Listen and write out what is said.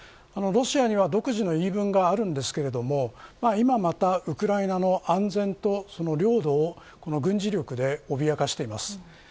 ロシアには独自の言い分がありますが今また、ウクライナの安全と領土を軍事力でおびやかしています。